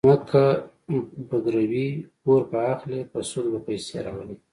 ځمکه به ګروي، پور به اخلي، په سود به پیسې راولي.